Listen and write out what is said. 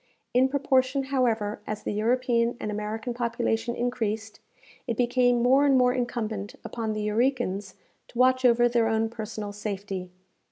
In proportion, however, as the European and American population increased, it became more and more incumbent upon the Eurekans, to watch over their own personal safety.